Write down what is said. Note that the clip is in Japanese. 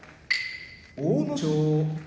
阿武咲